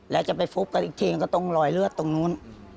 แล้วจะไปฟุบกันอีกทีก็ตรงรอยเลือดตรงนู้น